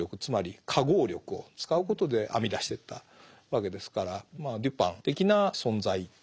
つまり化合力を使うことで編み出してったわけですからまあデュパン的な存在